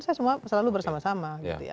saya semua selalu bersama sama